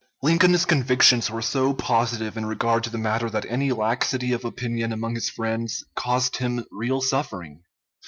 Lincoln's convictions were so positive in regard to the matter that any laxity of opinion among his friends caused him real suffering.